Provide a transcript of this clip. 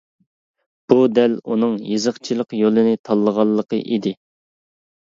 بۇ دەل ئۇنىڭ يېزىقچىلىق يولىنى تاللىغانلىقى ئىدى.